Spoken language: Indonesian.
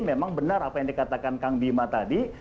memang benar apa yang dikatakan kang bima tadi